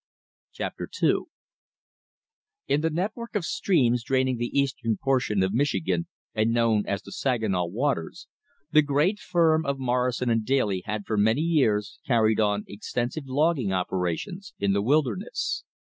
Chapter II In the network of streams draining the eastern portion of Michigan and known as the Saginaw waters, the great firm of Morrison & Daly had for many years carried on extensive logging operations in the wilderness.